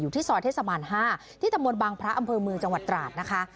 ที่ซอยเทศบาล๕ที่ตำบลบางพระอำเภอเมืองจังหวัดตราดนะคะ